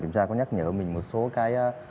có nhắc nhở mình một số cái